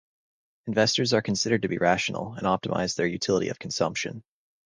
Investors are considered to be rational and optimize their utility of consumption.